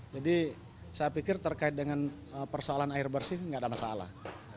jadi saya pikir terkait dengan persoalan air bersih nggak ada masalah